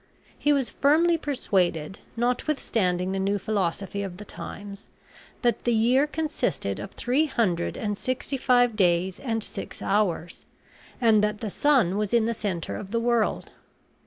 He was firmly persuaded, notwithstanding the new philosophy of the times, that the year consisted of three hundred and sixty five days and six hours, and that the sun was in the center of the world.